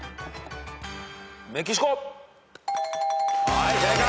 はい正解。